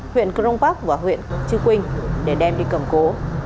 huyện crong park và huyện chư quynh để đem đi cầm cố